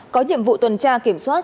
có nhiệm vụ tuần tra kiểm soát